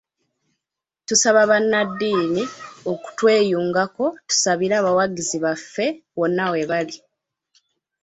Tusaba bannaddiini okutweyungako tusabire abawagizi baffe wonna webali.